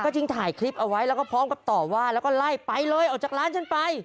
จึงถ่ายคลิปเอาไว้แล้วก็พร้อมกับต่อว่าแล้วก็ไล่ไปเลยออกจากร้านฉันไป